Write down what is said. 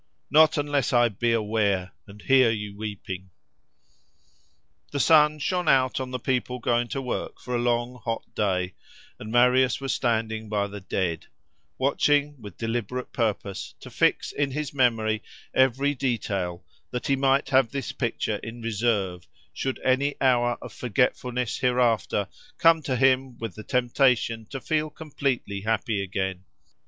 —"Not unless I be aware, and hear you weeping!" The sun shone out on the people going to work for a long hot day, and Marius was standing by the dead, watching, with deliberate purpose to fix in his memory every detail, that he might have this picture in reserve, should any hour of forgetfulness hereafter come to him with the temptation to feel completely happy again.